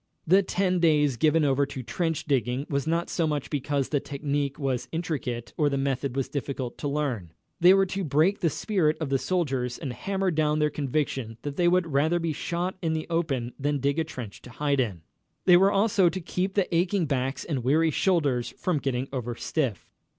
The ten days given over to trench digging was not so much because the technic was intricate or the method difficult to learn. They were to break the spirit of the soldiers and hammer down their conviction that they would rather be shot in the open than dig a trench to hide in. They were also to keep the aching backs and weary shoulders from getting overstiff.